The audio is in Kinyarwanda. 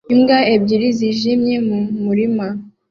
Imbwa ebyiri zijimye mu murima